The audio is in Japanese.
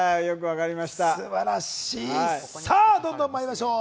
すばらしい、さあどんどんまいりましょう。